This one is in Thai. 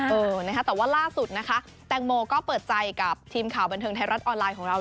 เออนะคะแต่ว่าล่าสุดนะคะแตงโมก็เปิดใจกับทีมข่าวบันเทิงไทยรัฐออนไลน์ของเรา